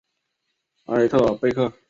埃特尔贝克。